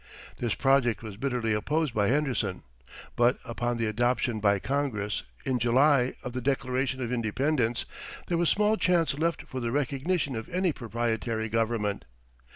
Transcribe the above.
This project was bitterly opposed by Henderson; but upon the adoption by Congress, in July, of the Declaration of Independence, there was small chance left for the recognition of any proprietary government.